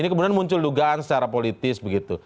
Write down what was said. ini kemudian muncul dugaan secara politis begitu